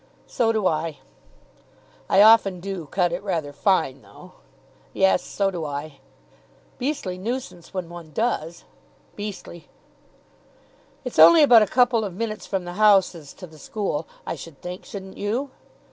"So do I." "I often do cut it rather fine, though." "Yes. So do I." "Beastly nuisance when one does." "Beastly." "It's only about a couple of minutes from the houses to the school, I should think, shouldn't you?"